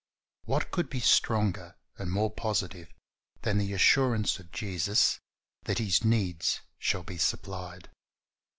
What could be stronger and more positive than the assurance of Jesus that his needs shall be supplied?